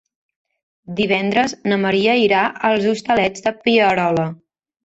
Divendres na Maria irà als Hostalets de Pierola.